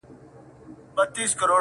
o چي ته ئې يووړې، گوا زه ئې يووړم٫